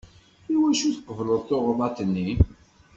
Iwacu tqebleḍ tuɣdaṭ-nni?